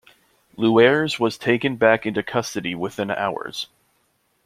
Luers was taken back into custody within hours.